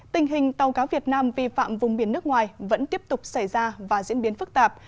tình hình tàu cá việt nam vi phạm vùng biển nước ngoài vẫn tiếp tục xảy ra và diễn biến phức tạp